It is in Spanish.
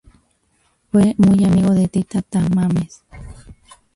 Fue muy amigo de Tita Tamames.